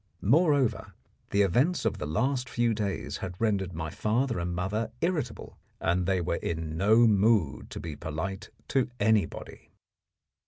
Moreover, the events of the last few days had rendered my father and mother irritable, and they were in no mood to be polite to anybody.